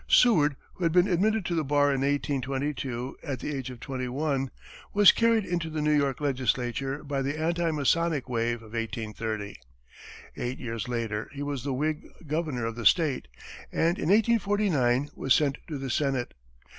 Seward, who had been admitted to the bar in 1822, at the age of twenty one, was carried into the New York legislature by the anti Masonic wave of 1830. Eight years later, he was the Whig governor of the state, and in 1849 was sent to the Senate.